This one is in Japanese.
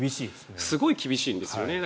すごい厳しいんです。